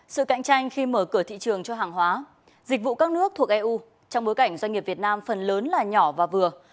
sự cạnh tranh khi mở cửa thị trường cho hàng hóa dịch vụ các nước thuộc eu trong bối cảnh doanh nghiệp việt nam phần lớn là nhỏ và vừa